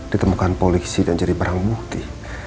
ditemukan polisi dan jadi barang bukti